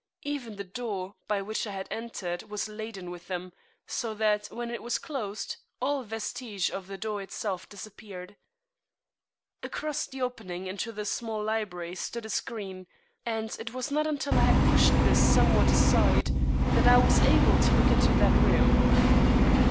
Even the door by which I had entered was laden with them, so that when it was closed, all vestige of the door itself disappeared. Across the opening into the library stood a screen, and it was not until I had pushed this somewhat aside that I was able to look into that room.